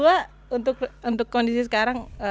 nah menurut gue untuk kondisi sekarang